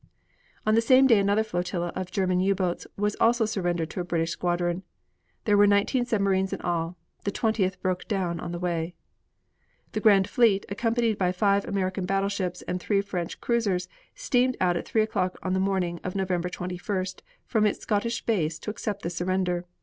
On the same day another flotilla of German U boats also was surrendered to a British squadron. There were nineteen submarines in all; the twentieth broke down on the way. The Grand Fleet, accompanied by five American battleships and three French cruisers, steamed out at 3 o'clock on the morning of November 21st, from its Scottish base to accept the surrender.